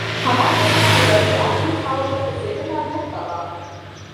هغه ښځه د راډیواکټیف موادو په څېړنه بوخته وه.